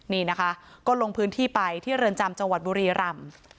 นี่นะคะก็ลงพื้นที่ไปที่เรือนจำจังหวัดบุรีรำ